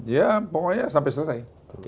ya pokoknya sampai selesai